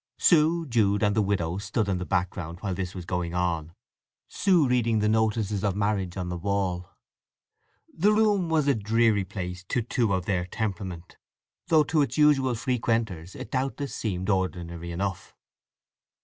Sue, Jude, and the widow stood in the background while this was going on, Sue reading the notices of marriage on the wall. The room was a dreary place to two of their temperament, though to its usual frequenters it doubtless seemed ordinary enough.